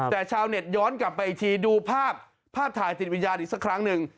แต่ชาวเน็ตย้อนกลับไปอีกทีดูภาพภาพถ่ายติดวิญญาณอีกสักครั้งหนึ่ง